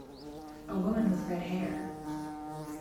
A woman with red hair!